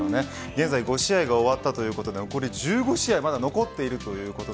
現在５試合が終わったということで、残り１５試合残っています。